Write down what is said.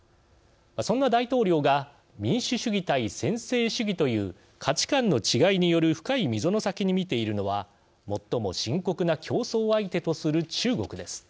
そんな大統領が民主主義対専制主義という価値観の違いによる深い溝の先に見ているのは最も深刻な競争相手とする中国です。